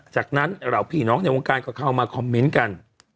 จากนั้นเหล่าพี่น้องในวงการก็เข้ามาคอมเมนต์กัน